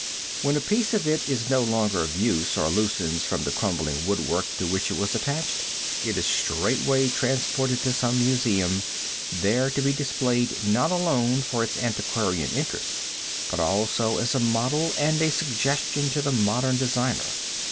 When a piece of it is no longer of use, or loosens from the crumbling woodwork to which it was attached, it is straightway transported to some museum, there to be displayed not alone for its antiquarian interest, but also as a model and a suggestion to the modern designer.